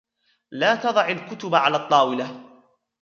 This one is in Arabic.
لا تضع الكتب على الطاولة.